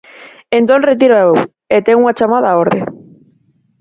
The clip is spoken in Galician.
Entón retíroa eu e ten unha chamada á orde.